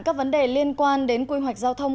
các vấn đề liên quan đến quy hoạch giao thông